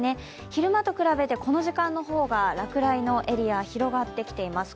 昼間と比べてこの時間の方が落雷のエリア広がってきています。